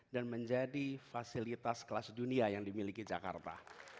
dan menjadi fasilitas kelas dunia yang dimiliki jakarta